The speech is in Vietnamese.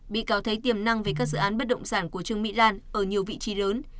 bị cáo thấy tiềm năng về các dự án bất động sản của trương mỹ lan ở nhiều vị trí lớn